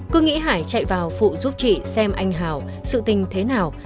cứ nghĩ hải chạy vào phụ giúp chị xem anh hào sự tình thế nào